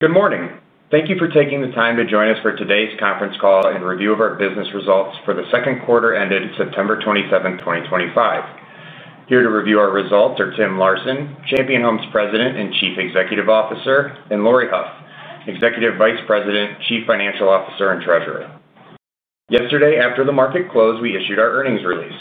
Good morning. Thank you for taking the time to join us for today's conference call and review of our business results for the second quarter ended September 27, 2025. Here to review our results are Tim Larson, Champion Homes President and Chief Executive Officer, and Laurie Hough, Executive Vice President, Chief Financial Officer, and Treasurer. Yesterday, after the market closed, we issued our earnings release.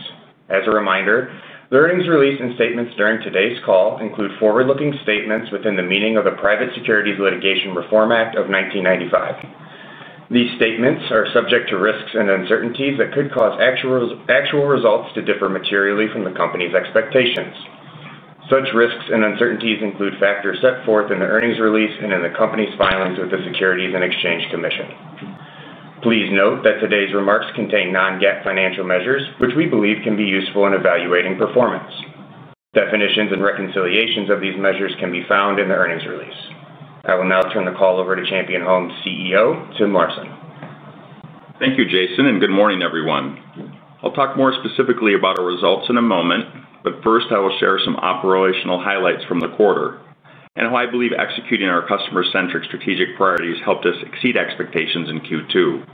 As a reminder, the earnings release and statements during today's call include forward-looking statements within the meaning of the Private Securities Litigation Reform Act of 1995. These statements are subject to risks and uncertainties that could cause actual results to differ materially from the company's expectations. Such risks and uncertainties include factors set forth in the earnings release and in the company's filings with the Securities and Exchange Commission. Please note that today's remarks contain Non-GAAP financial measures, which we believe can be useful in evaluating performance. Definitions and reconciliations of these measures can be found in the earnings release. I will now turn the call over to Champion Homes CEO, Tim Larson. Thank you, Jason, and good morning, everyone. I'll talk more specifically about our results in a moment, but first I will share some operational highlights from the quarter and how I believe executing our customer-centric strategic priorities helped us exceed expectations in Q2.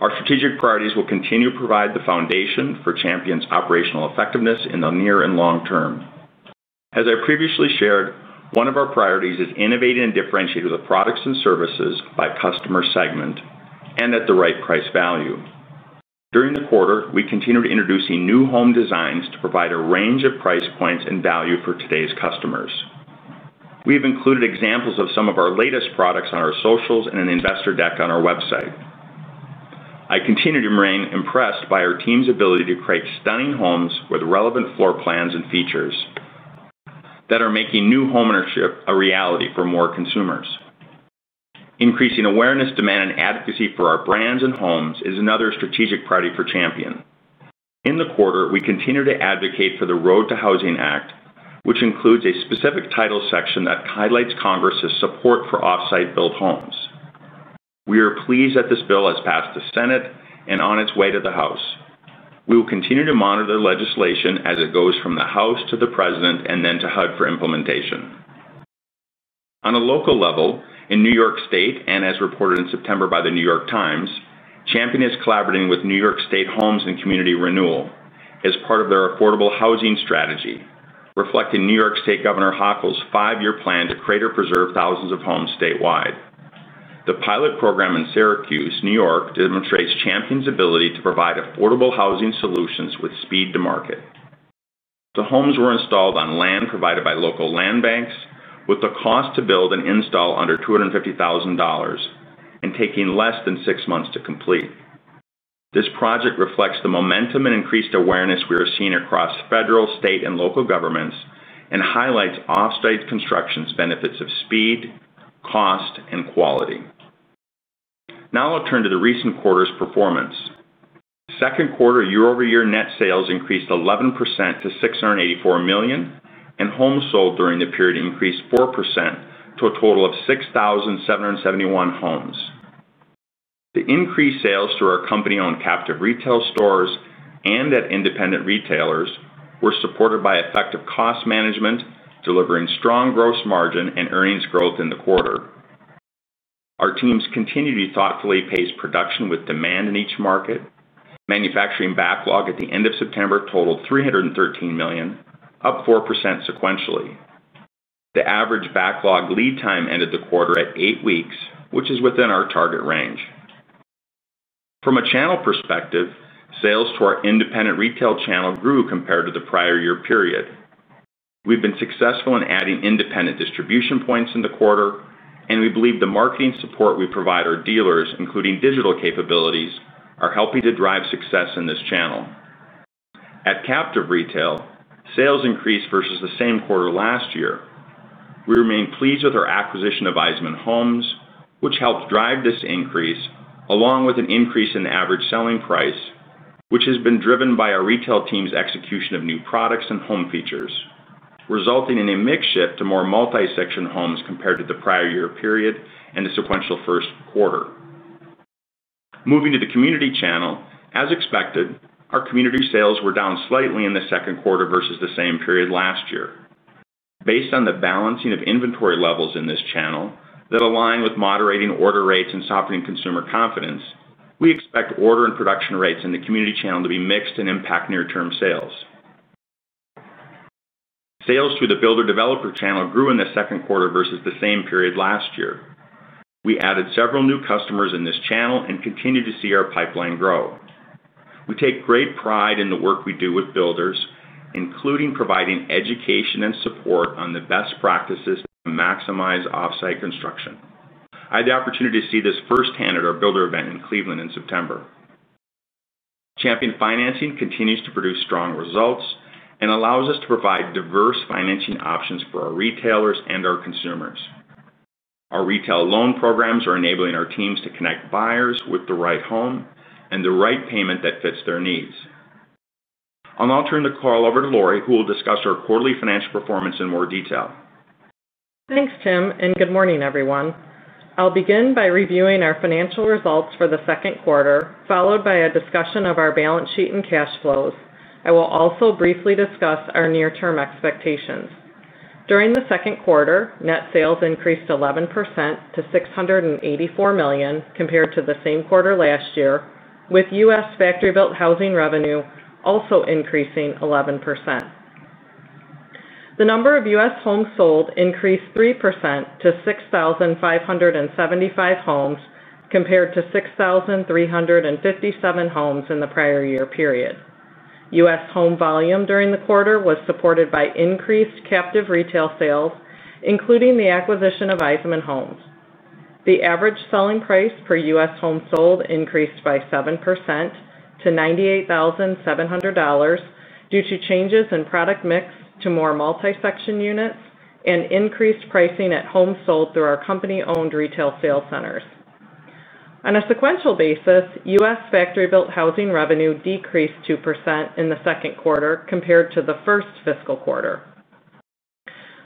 Our strategic priorities will continue to provide the foundation for Champion's operational effectiveness in the near and long term. As I previously shared, one of our priorities is innovating and differentiating the products and services by customer segment and at the right price value. During the quarter, we continue introducing new home designs to provide a range of price points and value for today's customers. We have included examples of some of our latest products on our socials and an investor deck on our website. I continue to remain impressed by our team's ability to create stunning homes with relevant floor plans and features. That are making new home ownership a reality for more consumers. Increasing awareness, demand, and advocacy for our brands and homes is another strategic priority for Champion. In the quarter, we continue to advocate for the Road to Housing Act, which includes a specific title section that highlights Congress's support for off-site-built homes. We are pleased that this bill has passed the Senate and is on its way to the House. We will continue to monitor the legislation as it goes from the House to the President and then to HUD for implementation. On a local level, in New York State and as reported in September by The New York Times, Champion is collaborating with New York State Homes and Community Renewal as part of their affordable housing strategy, reflecting New York State Governor Hochul's five-year plan to create or preserve thousands of homes statewide. The pilot program in Syracuse, New York, demonstrates Champion Homes' ability to provide affordable housing solutions with speed to market. The homes were installed on land provided by local land banks, with the cost to build and install under $250,000 and taking less than six months to complete. This project reflects the momentum and increased awareness we are seeing across federal, state, and local governments and highlights off-site construction's benefits of speed, cost, and quality. Now I'll turn to the recent quarter's performance. Second quarter year-over-year net sales increased 11% to $684 million, and homes sold during the period increased 4% to a total of 6,771 homes. The increased sales through our company-owned captive retail stores and at independent retailers were supported by effective cost management, delivering strong gross margin and earnings growth in the quarter. Our teams continue to thoughtfully pace production with demand in each market. Manufacturing backlog at the end of September totaled $313 million, up 4% sequentially. The average backlog lead time ended the quarter at eight weeks, which is within our target range. From a channel perspective, sales to our independent retail channel grew compared to the prior year period. We've been successful in adding independent distribution points in the quarter, and we believe the marketing support we provide our dealers, including digital capabilities, is helping to drive success in this channel. At captive retail, sales increased versus the same quarter last year. We remain pleased with our acquisition of Eisman Homes, which helped drive this increase, along with an increase in the average selling price, which has been driven by our retail team's execution of new products and home features, resulting in a mix shift to more multi-section homes compared to the prior year period and the sequential first quarter. Moving to the community channel, as expected, our community sales were down slightly in the second quarter versus the same period last year. Based on the balancing of inventory levels in this channel that align with moderating order rates and softening consumer confidence, we expect order and production rates in the community channel to be mixed and impact near-term sales. Sales through the builder-developer channel grew in the second quarter versus the same period last year. We added several new customers in this channel and continue to see our pipeline grow. We take great pride in the work we do with builders, including providing education and support on the best practices to maximize off-site construction. I had the opportunity to see this firsthand at our builder event in Cleveland in September. Champion Financing continues to produce strong results and allows us to provide diverse financing options for our retailers and our consumers. Our retail loan programs are enabling our teams to connect buyers with the right home and the right payment that fits their needs. I'll now turn the call over to Laurie, who will discuss our quarterly financial performance in more detail. Thanks, Tim, and good morning, everyone. I'll begin by reviewing our financial results for the second quarter, followed by a discussion of our balance sheet and cash flows. I will also briefly discuss our near-term expectations. During the second quarter, net sales increased 11% to $684 million compared to the same quarter last year, with U.S. factory-built housing revenue also increasing 11%. The number of U.S. homes sold increased 3% to 6,575 homes compared to 6,357 homes in the prior year period. U.S. home volume during the quarter was supported by increased captive retail sales, including the acquisition of Eisman Homes. The average selling price per U.S. home sold increased by 7% to $98,700 due to changes in product mix to more multi-section units and increased pricing at homes sold through our company-owned retail sales centers. On a sequential basis, U.S. Factory-built housing revenue decreased 2% in the second quarter compared to the first fiscal quarter.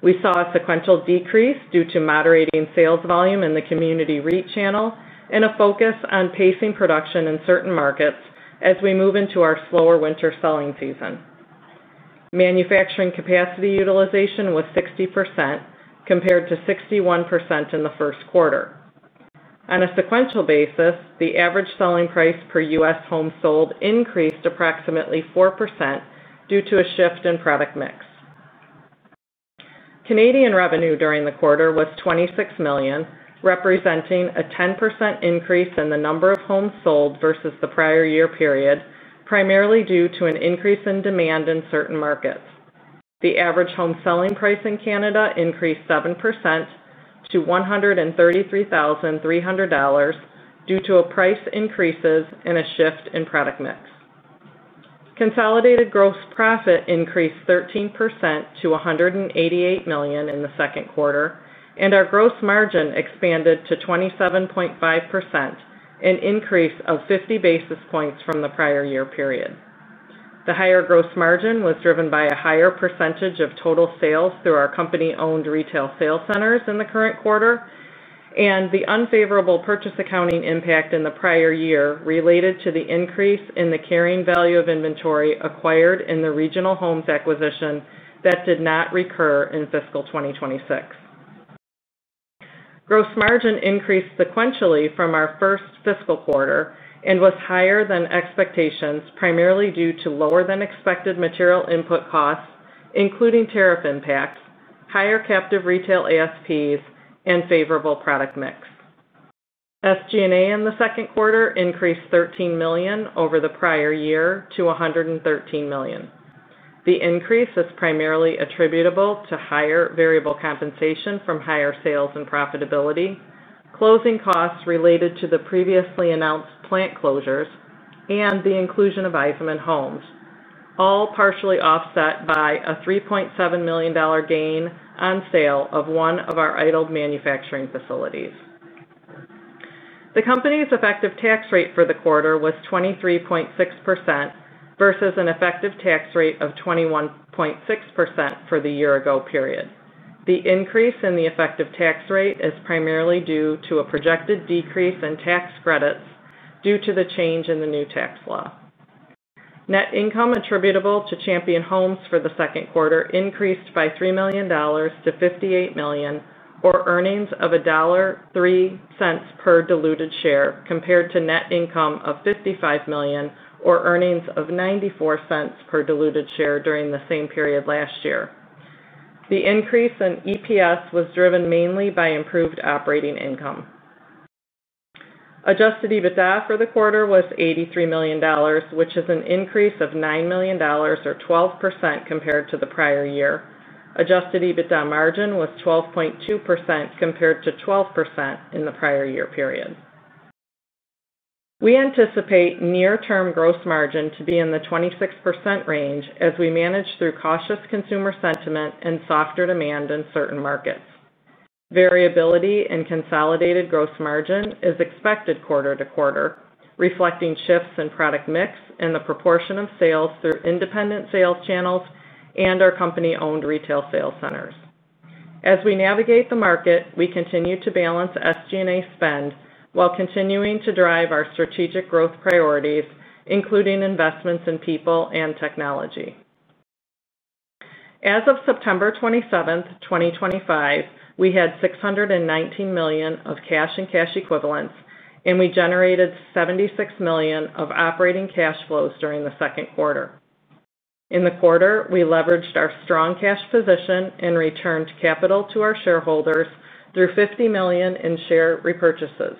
We saw a sequential decrease due to moderating sales volume in the community retail channel and a focus on pacing production in certain markets as we move into our slower winter selling season. Manufacturing capacity utilization was 60% compared to 61% in the first quarter. On a sequential basis, the average selling price per U.S. home sold increased approximately 4% due to a shift in product mix. Canadian revenue during the quarter was 26 million, representing a 10% increase in the number of homes sold versus the prior year period, primarily due to an increase in demand in certain markets. The average home selling price in Canada increased 7% to 133,300 dollars due to price increases and a shift in product mix. Consolidated gross profit increased 13% to $188 million in the second quarter, and our gross margin expanded to 27.5%, an increase of 50 basis points from the prior year period. The higher gross margin was driven by a higher percentage of total sales through our company-owned retail sales centers in the current quarter, and the unfavorable purchase accounting impact in the prior year related to the increase in the carrying value of inventory acquired in the Regional Homes acquisition that did not recur in fiscal 2026. Gross margin increased sequentially from our first fiscal quarter and was higher than expectations, primarily due to lower-than-expected material input costs, including tariff impacts, higher captive retail ASPs, and favorable product mix. SG&A in the second quarter increased $13 million over the prior year to $113 million. The increase is primarily attributable to higher variable compensation from higher sales and profitability, closing costs related to the previously announced plant closures, and the inclusion of Eisman Homes, all partially offset by a $3.7 million gain on sale of one of our idled manufacturing facilities. The company's effective tax rate for the quarter was 23.6% versus an effective tax rate of 21.6% for the year-ago period. The increase in the effective tax rate is primarily due to a projected decrease in tax credits due to the change in the new tax law. Net income attributable to Champion Homes for the second quarter increased by $3 million-$ 58 million, or earnings of $1.03 per diluted share, compared to net income of $55 million or earnings of $0.94 per diluted share during the same period last year. The increase in EPS was driven mainly by improved operating income. Adjusted EBITDA for the quarter was $83 million, which is an increase of $9 million or 12% compared to the prior year. Adjusted EBITDA margin was 12.2% compared to 12% in the prior year period. We anticipate near-term gross margin to be in the 26% range as we manage through cautious consumer sentiment and softer demand in certain markets. Variability in consolidated gross margin is expected quarter to quarter, reflecting shifts in product mix and the proportion of sales through independent sales channels and our company-owned retail sales centers. As we navigate the market, we continue to balance SG&A spend while continuing to drive our strategic growth priorities, including investments in people and technology. As of September 27, 2025, we had $619 million of cash and cash equivalents, and we generated $76 million of operating cash flows during the second quarter. In the quarter, we leveraged our strong cash position and returned capital to our shareholders through $50 million in share repurchases.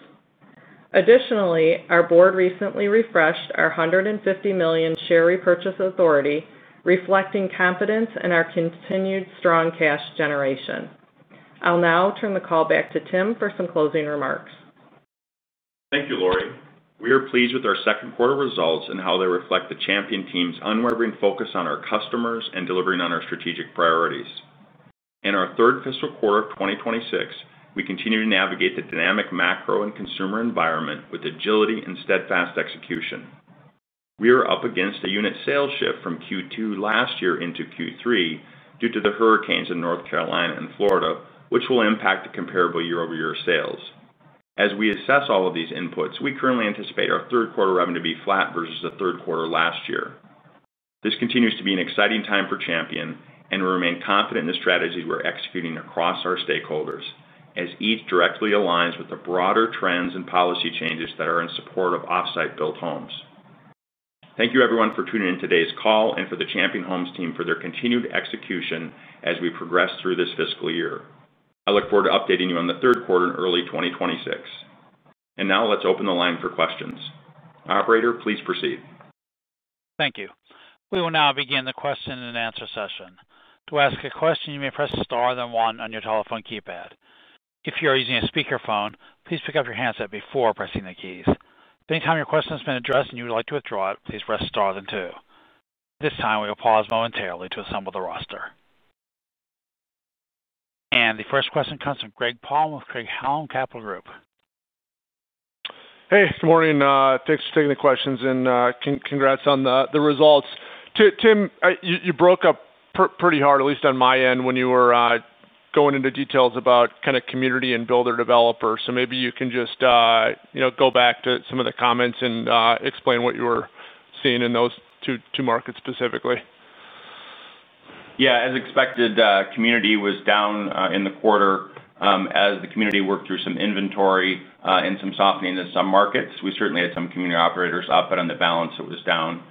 Additionally, our board recently refreshed our $150 million share repurchase authority, reflecting confidence in our continued strong cash generation. I'll now turn the call back to Tim for some closing remarks. Thank you, Laurie. We are pleased with our second quarter results and how they reflect the Champion team's unwavering focus on our customers and delivering on our strategic priorities. In our third fiscal quarter of 2026, we continue to navigate the dynamic macro and consumer environment with agility and steadfast execution. We are up against a unit sales shift from Q2 last year into Q3 due to the hurricanes in North Carolina and Florida, which will impact the comparable year-over-year sales. As we assess all of these inputs, we currently anticipate our third quarter revenue to be flat versus the third quarter last year. This continues to be an exciting time for Champion, and we remain confident in the strategies we're executing across our stakeholders, as each directly aligns with the broader trends and policy changes that are in support of off-site-built homes. Thank you, everyone, for tuning in to today's call and for the Champion Homes team for their continued execution as we progress through this fiscal year. I look forward to updating you on the third quarter in early 2026. Now let's open the line for questions. Operator, please proceed. Thank you. We will now begin the question-and-answer session. To ask a question, you may press star then one on your telephone keypad. If you are using a speakerphone, please pick up your handset before pressing the keys. At any time your question has been addressed and you would like to withdraw it, please press star then two. At this time, we will pause momentarily to assemble the roster. The first question comes from Greg Palm with Craig-Hallum Capital Group. Hey, good morning. Thanks for taking the questions, and congrats on the results. Tim, you broke up pretty hard, at least on my end, when you were going into details about kind of community and builder-developer. Maybe you can just go back to some of the comments and explain what you were seeing in those two markets specifically. Yeah, as expected, community was down in the quarter as the community worked through some inventory and some softening in some markets. We certainly had some community operators up, but on the balance, it was down.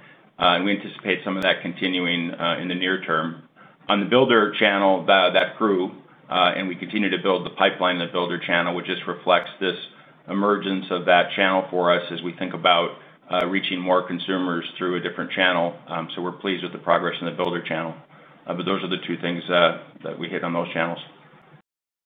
We anticipate some of that continuing in the near term. On the builder channel, that grew, and we continue to build the pipeline in the builder channel, which just reflects this emergence of that channel for us as we think about reaching more consumers through a different channel. We are pleased with the progress in the builder channel. Those are the two things that we hit on those channels.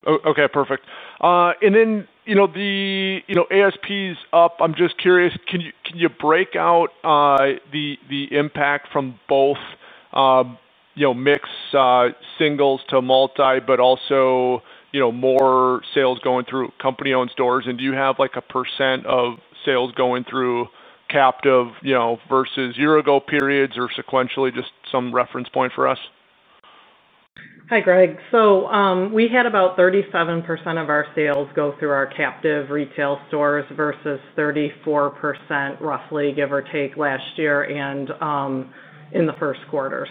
Okay, perfect. The ASPs up, I'm just curious, can you break out the impact from both mix singles to multi, but also more sales going through company-owned stores? Do you have a percent of sales going through captive versus year-ago periods or sequentially, just some reference point for us? Hi, Greg. We had about 37% of our sales go through our captive retail stores versus 34%, roughly, give or take, last year and in the first quarter.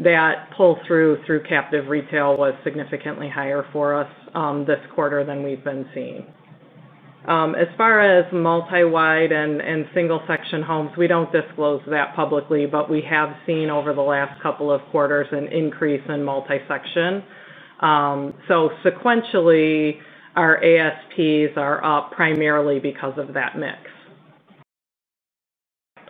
That pull-through through captive retail was significantly higher for us this quarter than we have been seeing. As far as multi-wide and single-section homes, we do not disclose that publicly, but we have seen over the last couple of quarters an increase in multi-section. Sequentially, our ASPs are up primarily because of that mix.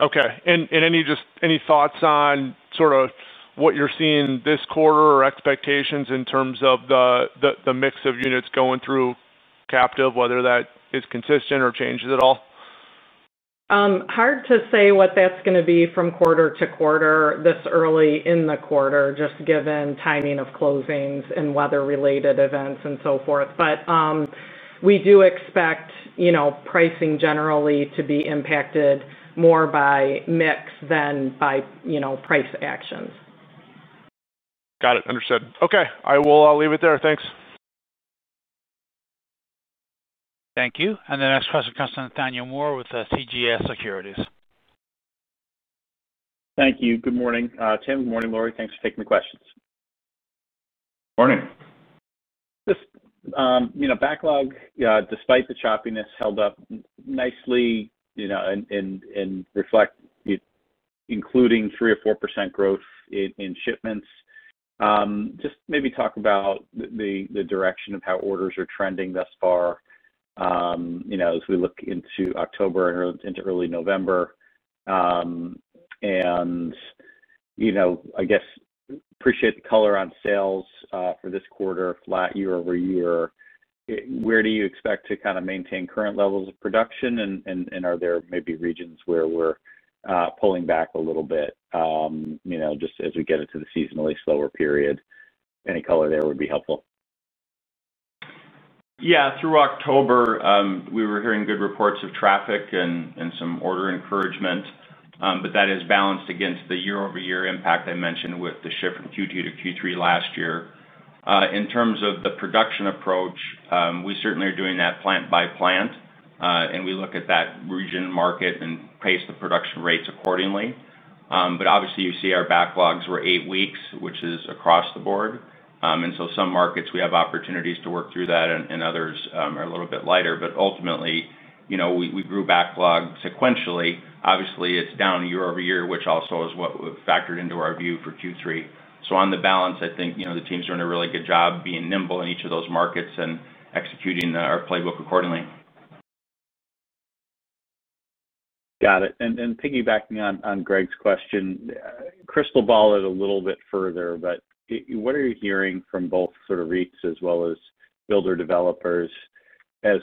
Okay. Any thoughts on sort of what you're seeing this quarter or expectations in terms of the mix of units going through captive, whether that is consistent or changes at all? Hard to say what that's going to be from quarter to quarter this early in the quarter, just given timing of closings and weather-related events and so forth. We do expect pricing generally to be impacted more by mix than by price actions. Got it. Understood. Okay. I will leave it there. Thanks. Thank you. The next question comes from Daniel Moore with CJS Securities. Thank you. Good morning. Tim, good morning, Laurie. Thanks for taking the questions. Morning. Just backlog, despite the choppiness, held up nicely. And reflect. Including 3% or 4% growth in shipments. Just maybe talk about the direction of how orders are trending thus far as we look into October and into early November. I guess appreciate the color on sales for this quarter, flat year-over-year. Where do you expect to kind of maintain current levels of production, and are there maybe regions where we're pulling back a little bit just as we get into the seasonally slower period? Any color there would be helpful. Yeah. Through October, we were hearing good reports of traffic and some order encouragement. That is balanced against the year-over-year impact I mentioned with the shift from Q2 to Q3 last year. In terms of the production approach, we certainly are doing that plant-by-plant, and we look at that region, market, and pace the production rates accordingly. Obviously, you see our backlogs were eight weeks, which is across the board. Some markets, we have opportunities to work through that, and others are a little bit lighter. Ultimately, we grew backlog sequentially. Obviously, it is down year-over-year, which also is what factored into our view for Q3. On the balance, I think the team's doing a really good job being nimble in each of those markets and executing our playbook accordingly. Got it. Piggybacking on Greg's question, crystal ball it a little bit further, but what are you hearing from both sort of REITs as well as builder-developers? As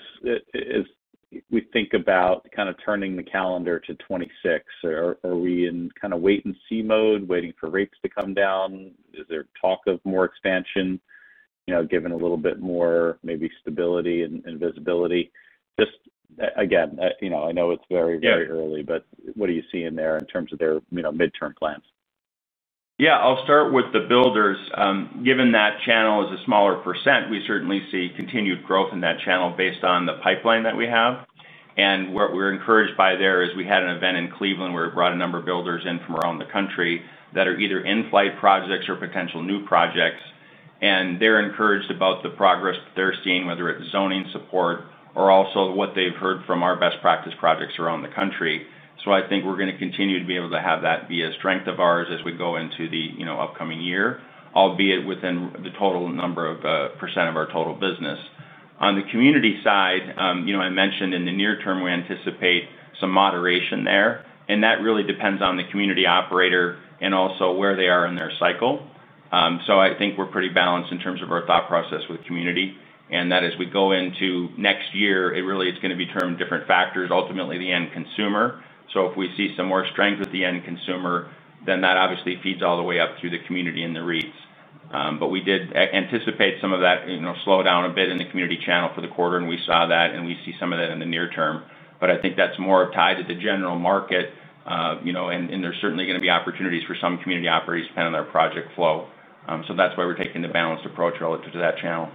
we think about kind of turning the calendar to 2026, are we in kind of wait-and-see mode, waiting for rates to come down? Is there talk of more expansion, given a little bit more maybe stability and visibility? Just again, I know it's very, very early, but what are you seeing there in terms of their midterm plans? Yeah. I'll start with the builders. Given that channel is a smaller %, we certainly see continued growth in that channel based on the pipeline that we have. What we're encouraged by there is we had an event in Cleveland where we brought a number of builders in from around the country that are either in-flight projects or potential new projects. They're encouraged about the progress that they're seeing, whether it's zoning support or also what they've heard from our best practice projects around the country. I think we're going to continue to be able to have that be a strength of ours as we go into the upcoming year, albeit within the total number of percent of our total business. On the community side, I mentioned in the near term, we anticipate some moderation there. That really depends on the community operator and also where they are in their cycle. I think we're pretty balanced in terms of our thought process with community. As we go into next year, it really is going to be determined by different factors, ultimately the end consumer. If we see some more strength with the end consumer, then that obviously feeds all the way up through the community and the REITs. We did anticipate some of that slowdown a bit in the community channel for the quarter, and we saw that, and we see some of that in the near term. I think that's more tied to the general market. There are certainly going to be opportunities for some community operators depending on their project flow. That's why we're taking the balanced approach relative to that channel.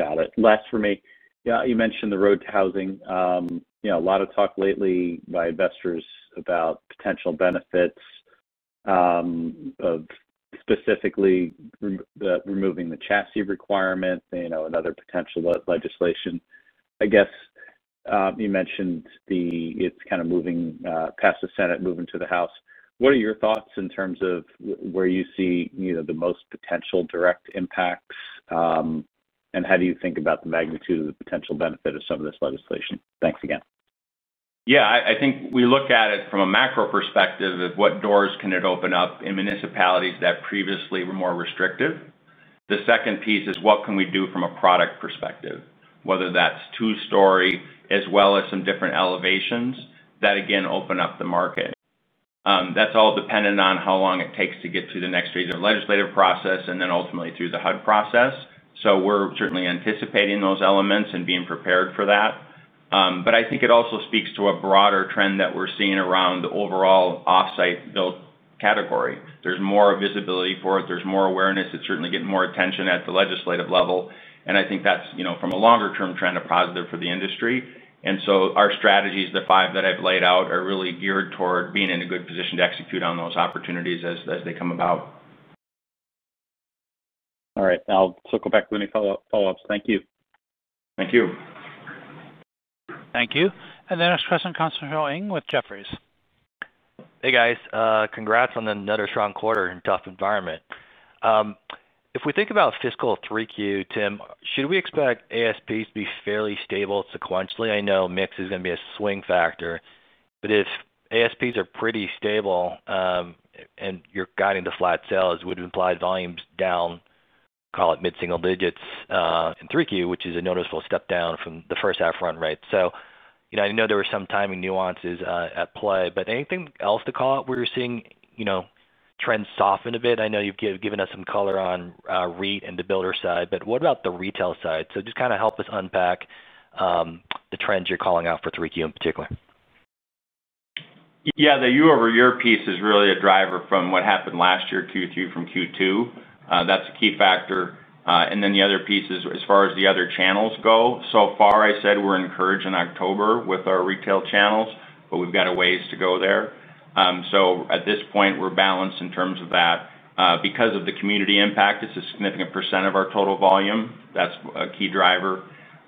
Got it. Last for me, you mentioned the Road to Housing. A lot of talk lately by investors about potential benefits of specifically removing the chassis requirement and other potential legislation. I guess you mentioned it's kind of moving past the Senate, moving to the House. What are your thoughts in terms of where you see the most potential direct impacts, and how do you think about the magnitude of the potential benefit of some of this legislation? Thanks again. Yeah. I think we look at it from a macro perspective of what doors can it open up in municipalities that previously were more restrictive. The second piece is what can we do from a product perspective, whether that's two-story as well as some different elevations that, again, open up the market. That is all dependent on how long it takes to get through the next phase of legislative process and then ultimately through the HUD process. We are certainly anticipating those elements and being prepared for that. I think it also speaks to a broader trend that we are seeing around the overall off-site-built category. There is more visibility for it. There is more awareness. It is certainly getting more attention at the legislative level. I think that is, from a longer-term trend, a positive for the industry. Our strategies, the five that I've laid out, are really geared toward being in a good position to execute on those opportunities as they come about. All right. I'll circle back with any follow-ups. Thank you. Thank you. Thank you. The next question, Constable Yong with Jefferies. Hey, guys. Congrats on another strong quarter in a tough environment. If we think about fiscal 3Q, Tim, should we expect ASPs to be fairly stable sequentially? I know mix is going to be a swing factor. If ASPs are pretty stable and you're guiding to flat sales, would imply volumes down, call it mid-single digits, in 3Q, which is a noticeable step down from the first half run rate. I know there were some timing nuances at play. Anything else to call out where you're seeing trends soften a bit? I know you've given us some color on REIT and the builder side, what about the retail side? Just kind of help us unpack the trends you're calling out for 3Q in particular. Yeah. The year-over-year piece is really a driver from what happened last year, Q3 from Q2. That's a key factor. The other piece is as far as the other channels go. So far, I said we're encouraged in October with our retail channels, but we've got a ways to go there. At this point, we're balanced in terms of that. Because of the community impact, it's a significant percent of our total volume. That's a key driver.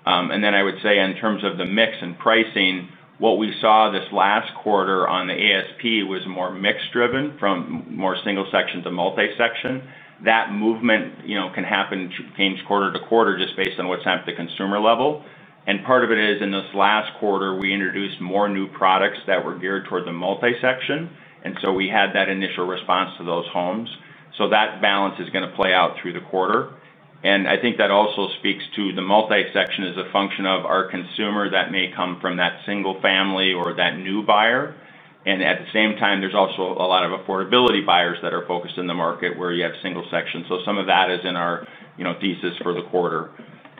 I would say in terms of the mix and pricing, what we saw this last quarter on the ASP was more mix-driven from more single-section to multi-section. That movement can happen change quarter to quarter just based on what's at the consumer level. Part of it is in this last quarter, we introduced more new products that were geared toward the multi-section. We had that initial response to those homes. That balance is going to play out through the quarter. I think that also speaks to the multi-section as a function of our consumer that may come from that single family or that new buyer. At the same time, there is also a lot of affordability buyers that are focused in the market where you have single-section. Some of that is in our thesis for the quarter.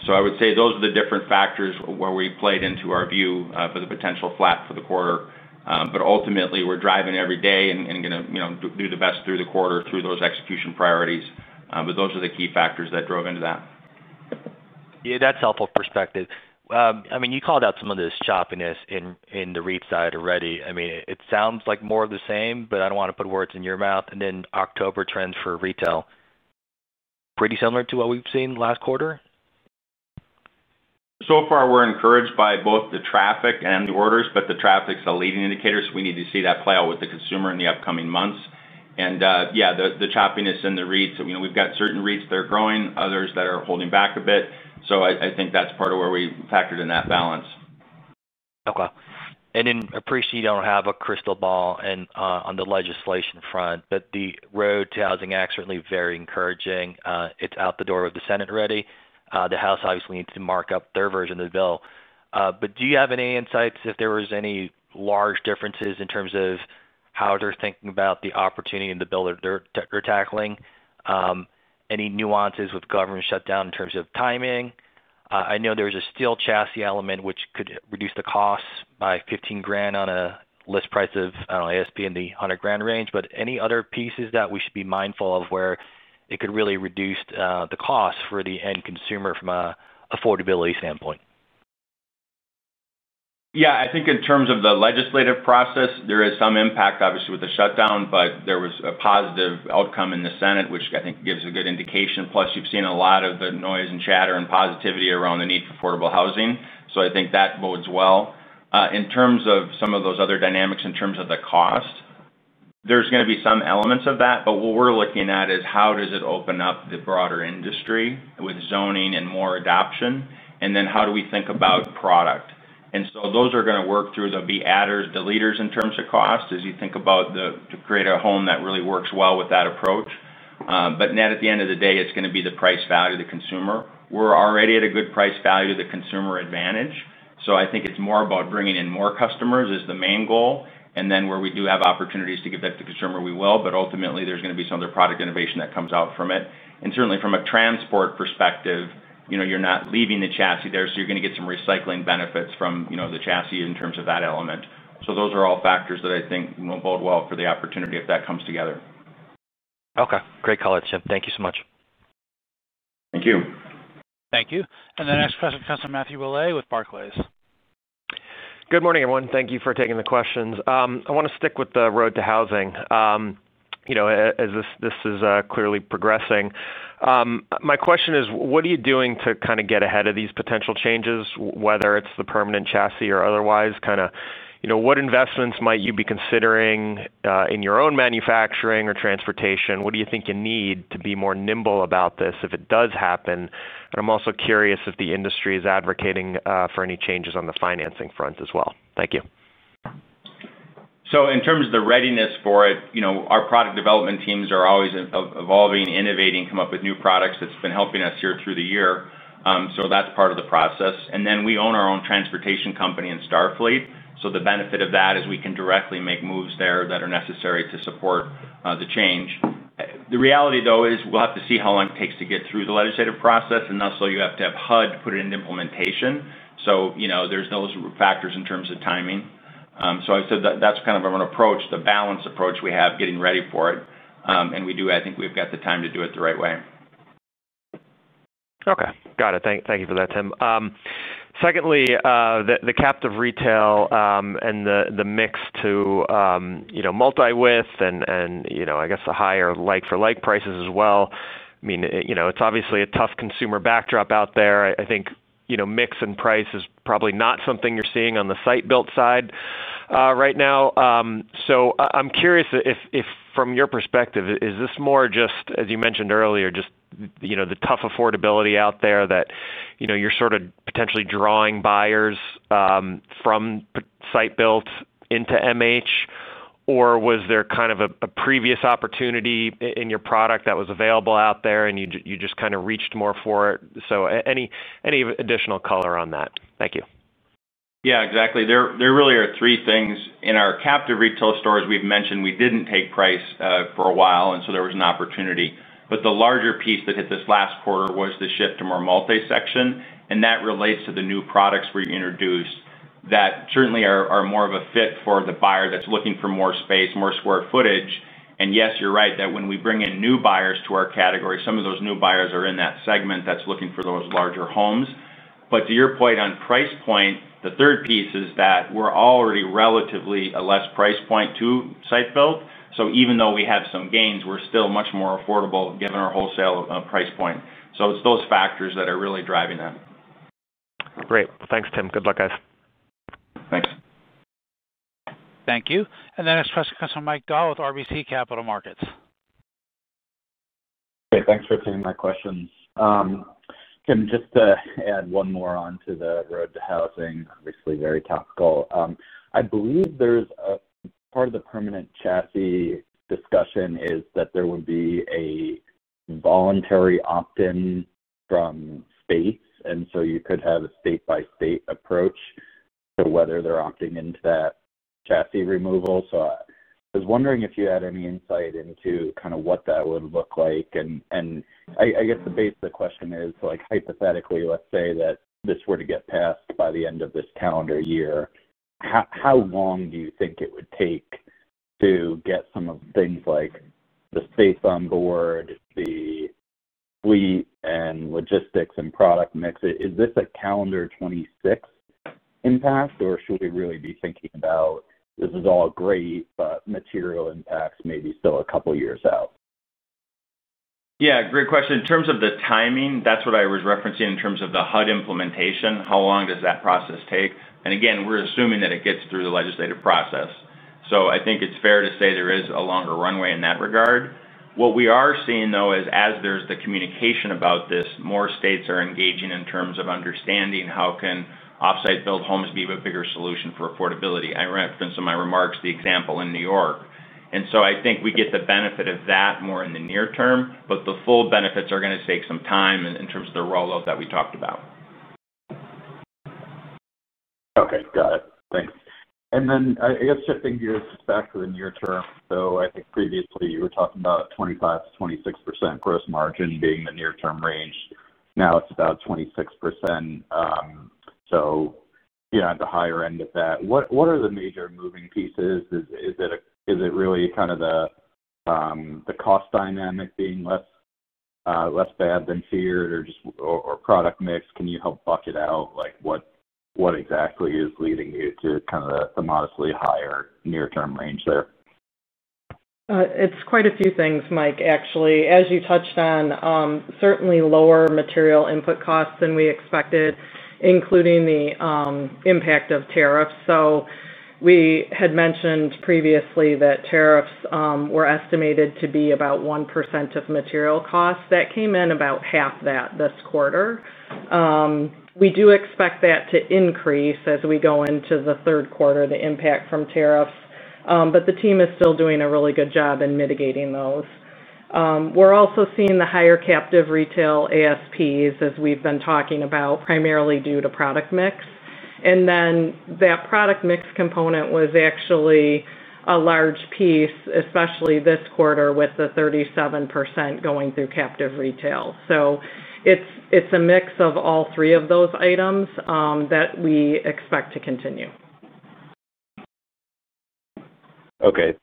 I would say those are the different factors where we played into our view for the potential flat for the quarter. Ultimately, we are driving every day and going to do the best through the quarter through those execution priorities. Those are the key factors that drove into that. Yeah, that's helpful perspective. I mean, you called out some of this choppiness in the REIT side already. I mean, it sounds like more of the same, but I don't want to put words in your mouth. October trends for retail. Pretty similar to what we've seen last quarter? So far, we're encouraged by both the traffic and the orders, but the traffic's a leading indicator. We need to see that play out with the consumer in the upcoming months. Yeah, the choppiness in the REITs. We've got certain REITs that are growing, others that are holding back a bit. I think that's part of where we factored in that balance. Okay. I appreciate you do not have a crystal ball on the legislation front, but the Road to Housing Acts are certainly very encouraging. It is out the door with the Senate ready. The House obviously needs to mark up their version of the bill. Do you have any insights if there were any large differences in terms of how they are thinking about the opportunity and the bill that they are tackling? Any nuances with government shutdown in terms of timing? I know there is a steel chassis element, which could reduce the cost by $15,000 on a list price of, I do not know, ASP in the $100,000 range. Any other pieces that we should be mindful of where it could really reduce the cost for the end consumer from an affordability standpoint? Yeah. I think in terms of the legislative process, there is some impact, obviously, with the shutdown, but there was a positive outcome in the Senate, which I think gives a good indication. Plus, you've seen a lot of the noise and chatter and positivity around the need for affordable housing. I think that bodes well. In terms of some of those other dynamics in terms of the cost, there's going to be some elements of that. What we're looking at is how does it open up the broader industry with zoning and more adoption? How do we think about product? Those are going to work through. There will be adders, deleters in terms of cost as you think about to create a home that really works well with that approach. At the end of the day, it's going to be the price value to consumer. We're already at a good price value to the consumer advantage. I think it's more about bringing in more customers is the main goal. Where we do have opportunities to give that to the consumer, we will. Ultimately, there's going to be some other product innovation that comes out from it. Certainly, from a transport perspective, you're not leaving the chassis there. You're going to get some recycling benefits from the chassis in terms of that element. Those are all factors that I think will bode well for the opportunity if that comes together. Okay. Great callout, Tim. Thank you so much. Thank you. Thank you. The next question comes from Matthew Bouley with Barclays. Good morning, everyone. Thank you for taking the questions. I want to stick with the road to housing. As this is clearly progressing, my question is, what are you doing to kind of get ahead of these potential changes, whether it's the permanent chassis or otherwise? Kind of what investments might you be considering in your own manufacturing or transportation? What do you think you need to be more nimble about this if it does happen? I am also curious if the industry is advocating for any changes on the financing front as well. Thank you. In terms of the readiness for it, our product development teams are always evolving, innovating, come up with new products. It has been helping us year through the year. That is part of the process. We own our own transportation company in Starfleet. The benefit of that is we can directly make moves there that are necessary to support the change. The reality, though, is we will have to see how long it takes to get through the legislative process. Also, you have to have HUD put it into implementation. There are those factors in terms of timing. That is kind of our approach, the balanced approach we have getting ready for it. I think we have the time to do it the right way. Okay. Got it. Thank you for that, Tim. Secondly, the captive retail and the mix to multi-width and I guess the higher like-for-like prices as well. I mean, it's obviously a tough consumer backdrop out there. I think mix and price is probably not something you're seeing on the site-built side right now. I'm curious if from your perspective, is this more just, as you mentioned earlier, just the tough affordability out there that you're sort of potentially drawing buyers from site-built into MH? Or was there kind of a previous opportunity in your product that was available out there and you just kind of reached more for it? Any additional color on that? Thank you. Yeah, exactly. There really are three things. In our captive retail stores, we've mentioned we didn't take price for a while, and so there was an opportunity. The larger piece that hit this last quarter was the shift to more multi-section. That relates to the new products we introduced that certainly are more of a fit for the buyer that's looking for more space, more square footage. Yes, you're right that when we bring in new buyers to our category, some of those new buyers are in that segment that's looking for those larger homes. To your point on price point, the third piece is that we're already relatively a less price point to site-built. Even though we have some gains, we're still much more affordable given our wholesale price point. It's those factors that are really driving that. Great. Thanks, Tim. Good luck, guys. Thanks. Thank you. The next question comes from Mike Dahl with RBC Capital Markets. Great. Thanks for taking my questions. Tim, just to add one more onto the Road to Housing, obviously very topical. I believe part of the permanent chassis discussion is that there would be a voluntary opt-in from states. You could have a state-by-state approach to whether they're opting into that chassis removal. I was wondering if you had any insight into kind of what that would look like. I guess the base of the question is, hypothetically, let's say that this were to get passed by the end of this calendar year, how long do you think it would take to get some of the things like the space on board, the fleet, and logistics and product mix? Is this a calendar 2026 impact, or should we really be thinking about this is all great, but material impacts may be still a couple of years out? Yeah. Great question. In terms of the timing, that's what I was referencing in terms of the HUD implementation. How long does that process take? Again, we're assuming that it gets through the legislative process. I think it's fair to say there is a longer runway in that regard. What we are seeing, though, is as there's the communication about this, more states are engaging in terms of understanding how can off-site-built homes be a bigger solution for affordability. I referenced in my remarks the example in New York. I think we get the benefit of that more in the near term, but the full benefits are going to take some time in terms of the rollout that we talked about. Okay. Got it. Thanks. I guess shifting gears back to the near term. I think previously you were talking about 25%-26% gross margin being the near-term range. Now it is about 26%. At the higher end of that, what are the major moving pieces? Is it really kind of the cost dynamic being less bad than feared or product mix? Can you help bucket out what exactly is leading you to the modestly higher near-term range there? It's quite a few things, Mike, actually. As you touched on, certainly lower material input costs than we expected, including the impact of tariffs. We had mentioned previously that tariffs were estimated to be about 1% of material costs. That came in about half that this quarter. We do expect that to increase as we go into the third quarter, the impact from tariffs. The team is still doing a really good job in mitigating those. We're also seeing the higher captive retail ASPs, as we've been talking about, primarily due to product mix. That product mix component was actually a large piece, especially this quarter with the 37% going through captive retail. It's a mix of all three of those items that we expect to continue. Okay.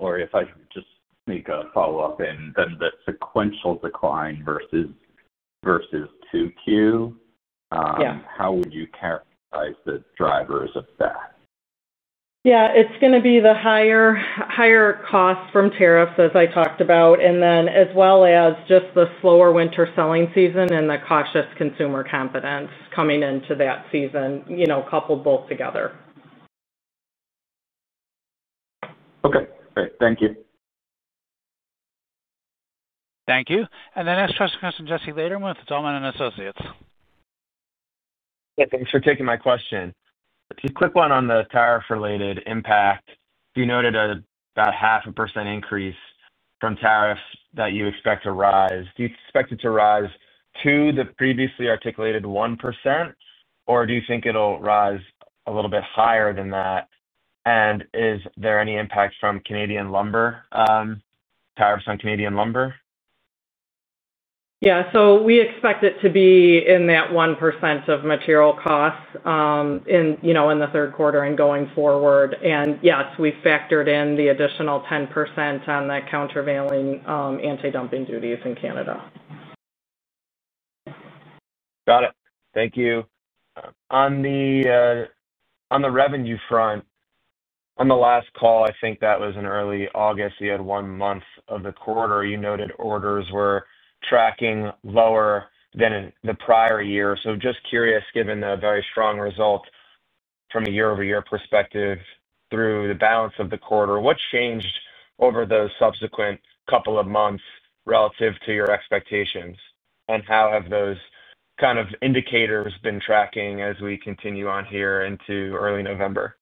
Laurie, if I could just make a follow-up in then the sequential decline versus 2Q. Yeah. How would you characterize the drivers of that? Yeah. It's going to be the higher costs from tariffs, as I talked about, and then as well as just the slower winter selling season and the cautious consumer confidence coming into that season, coupled both together. Okay. Great. Thank you. Thank you. The next question comes from Jesse Lederman with Zelman & Associates. Yeah. Thanks for taking my question. If you could click one on the tariff-related impact, you noted about a half a percent increase from tariffs that you expect to rise. Do you expect it to rise to the previously articulated 1%, or do you think it'll rise a little bit higher than that? Is there any impact from Canadian lumber? Tariffs on Canadian lumber? Yeah. We expect it to be in that 1% of material costs in the third quarter and going forward. Yes, we factored in the additional 10% on the countervailing anti-dumping duties in Canada. Got it. Thank you. On the revenue front. On the last call, I think that was in early August, you had one month of the quarter, you noted orders were tracking lower than the prior year. Just curious, given the very strong result from a year-over-year perspective through the balance of the quarter, what changed over those subsequent couple of months relative to your expectations? How have those kind of indicators been tracking as we continue on here into early November?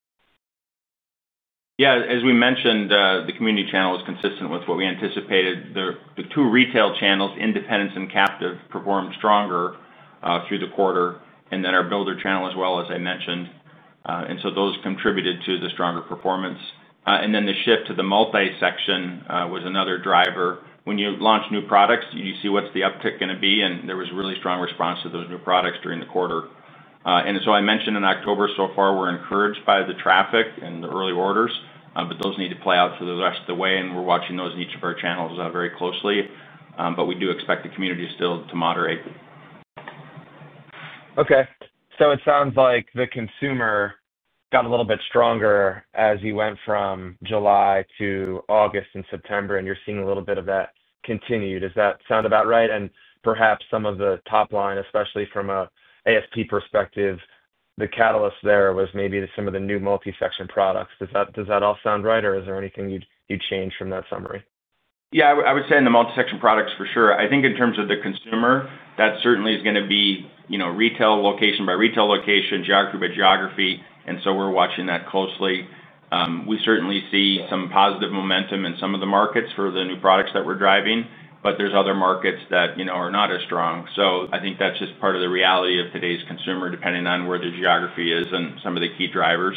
Yeah. As we mentioned, the community channel was consistent with what we anticipated. The two retail channels, independent and captive, performed stronger through the quarter. The builder channel, as well, as I mentioned. Those contributed to the stronger performance. The shift to the multi-section was another driver. When you launch new products, you see what's the uptick going to be. There was really strong response to those new products during the quarter. I mentioned in October, so far, we're encouraged by the traffic and the early orders, but those need to play out through the rest of the way. We're watching those in each of our channels very closely. We do expect the community still to moderate. Okay. So it sounds like the consumer got a little bit stronger as you went from July to August and September, and you're seeing a little bit of that continued. Does that sound about right? And perhaps some of the top line, especially from an ASP perspective, the catalyst there was maybe some of the new multi-section products. Does that all sound right, or is there anything you'd change from that summary? Yeah. I would say in the multi-section products, for sure. I think in terms of the consumer, that certainly is going to be retail location by retail location, geography by geography. We are watching that closely. We certainly see some positive momentum in some of the markets for the new products that we are driving, but there are other markets that are not as strong. I think that is just part of the reality of today's consumer, depending on where the geography is and some of the key drivers.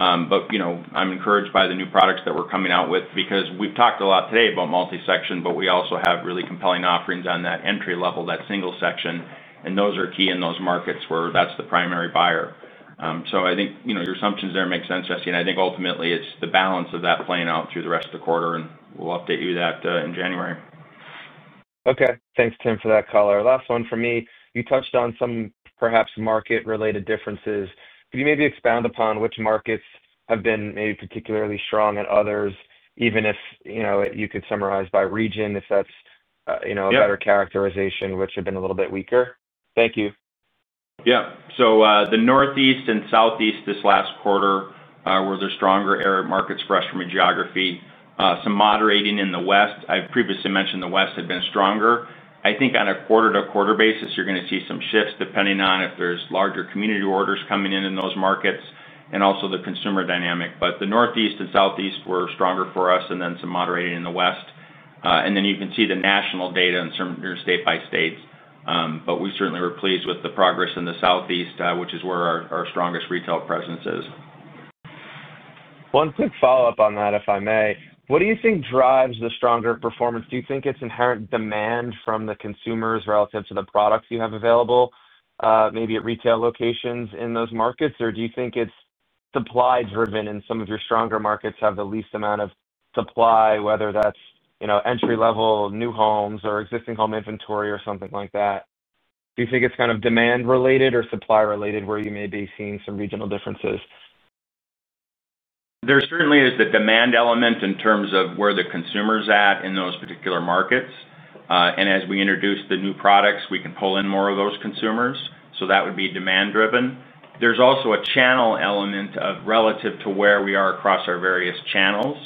I am encouraged by the new products that we are coming out with because we have talked a lot today about multi-section, but we also have really compelling offerings on that entry level, that single section. Those are key in those markets where that is the primary buyer. I think your assumptions there make sense, Jesse. I think ultimately, it's the balance of that playing out through the rest of the quarter. We'll update you on that in January. Okay. Thanks, Tim, for that call. Last one for me. You touched on some perhaps market-related differences. Could you maybe expound upon which markets have been maybe particularly strong and others, even if you could summarize by region, if that's a better characterization, which have been a little bit weaker? Thank you. Yeah. The Northeast and Southeast this last quarter were the stronger markets for us from a geography. Some moderating in the West. I previously mentioned the West had been stronger. I think on a quarter-to-quarter basis, you're going to see some shifts depending on if there's larger community orders coming in in those markets and also the consumer dynamic. The Northeast and Southeast were stronger for us and then some moderating in the West. You can see the national data in certain state-by-state, but we certainly were pleased with the progress in the Southeast, which is where our strongest retail presence is. One quick follow-up on that, if I may. What do you think drives the stronger performance? Do you think it's inherent demand from the consumers relative to the products you have available, maybe at retail locations in those markets, or do you think it's supply-driven in some of your stronger markets have the least amount of supply, whether that's entry-level new homes or existing home inventory or something like that? Do you think it's kind of demand-related or supply-related where you may be seeing some regional differences? There certainly is the demand element in terms of where the consumer's at in those particular markets. As we introduce the new products, we can pull in more of those consumers. That would be demand-driven. There is also a channel element relative to where we are across our various channels.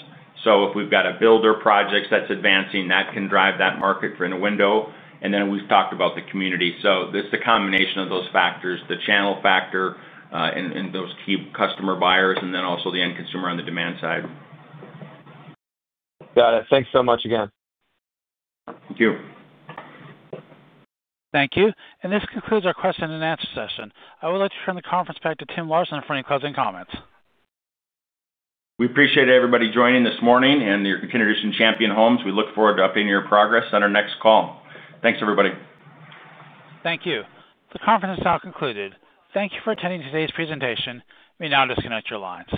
If we have got a builder project that is advancing, that can drive that market for in a window. We have talked about the community. It is the combination of those factors, the channel factor, and those key customer buyers, and then also the end consumer on the demand side. Got it. Thanks so much again. Thank you. Thank you. This concludes our question-and-answer session. I would like to turn the conference back to Tim Larson for any closing comments. We appreciate everybody joining this morning and your contribution to Champion Homes. We look forward to updating your progress on our next call. Thanks, everybody. Thank you. The conference is now concluded. Thank you for attending today's presentation. We now disconnect your lines.